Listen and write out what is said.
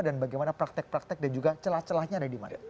dan bagaimana praktek praktek dan juga celah celahnya ada di mana